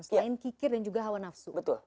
selain kikir dan juga hawa nafsu